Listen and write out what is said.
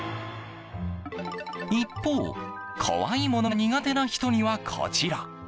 一方、怖いものが苦手な人にはこちら。